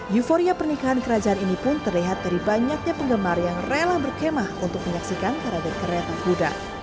euforia pernikahan kerajaan ini pun terlihat dari banyaknya penggemar yang rela berkemah untuk menyaksikan parade kereta kuda